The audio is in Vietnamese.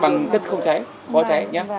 bằng chất không cháy bó cháy nhé